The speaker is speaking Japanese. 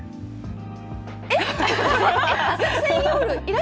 えっ？